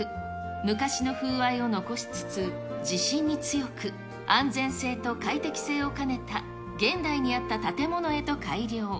昔の風合いを残しつつ、地震に強く、安全性と快適性を兼ねた現代に合った建物へと改良。